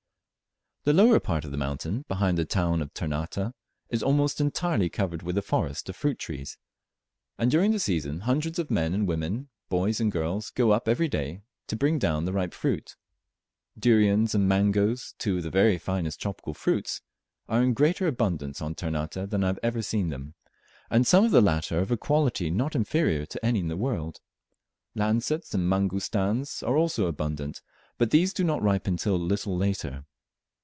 The lower part of the mountain, behind the town of Ternate, is almost entirely covered with a forest of fruit trees, and during the season hundreds of men and women, boys and girls, go up every day to bring down the ripe fruit. Durians and Mangoes, two of the very finest tropical fruits, are in greater abundance at Ternate than I have ever seen them, and some of the latter are of a quality not inferior to any in the world. Lansats and Mangustans are also abundant, but these do not ripen till a little later.